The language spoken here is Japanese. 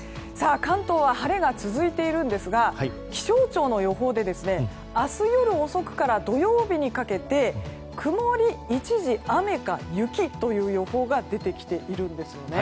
関東は晴れが続いているんですが気象庁の予報で明日夜遅くから土曜日にかけて曇り一時雨か雪という予報が出てきているんです。